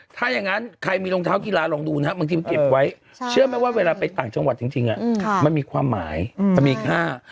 ถ้าอย่างนั้นใครมีรองเท้ากีฬาลองดูนะครับบางทีมันเก็บไว้เชื่อไหมว่าเวลาไปต่างจังหวัดจริงมันมีความหมายจะมีค่า